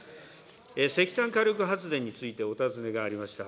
石炭火力発電についてお尋ねがありました。